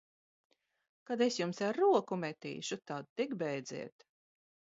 Kad es jums ar roku metīšu, tad tik bēdziet!